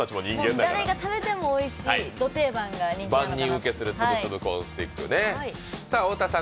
誰が食べてもおいしいド定番が人気なのかなと。